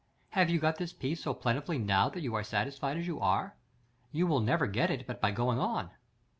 Have you got this peace so plentifully now that you are satisfied as you are? You will never get it but by going on."